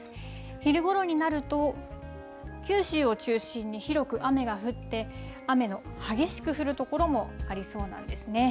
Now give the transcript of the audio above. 昼ごろになると、九州を中心に広く雨が降って、雨の激しく降る所もありそうなんですね。